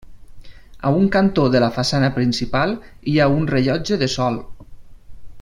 A un cantó de la façana principal hi ha un rellotge de sol.